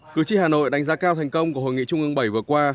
cử tri hà nội đánh giá cao thành công của hội nghị trung ương bảy vừa qua